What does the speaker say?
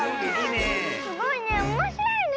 すごいね。